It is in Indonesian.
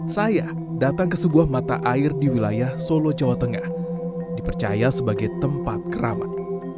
saya datang ke sebuah mata air di wilayah solo jawa tengah dipercaya sebagai tempat keramat